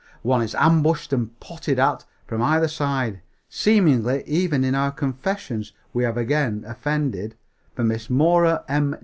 One is ambushed and potted at from either side. Seemingly, even in our confession we have again offended, for Miss Mora M.